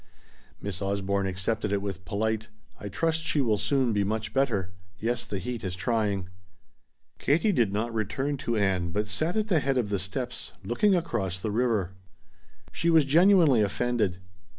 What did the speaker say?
Miss Osborne accepted it with polite, "I trust she will soon be much better. Yes, the heat is trying." Katie did not return to Ann, but sat at the head of the steps, looking across the river. She was genuinely offended.